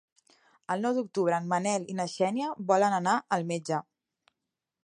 El nou d'octubre en Manel i na Xènia volen anar al metge.